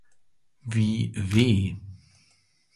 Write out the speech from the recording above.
Wie w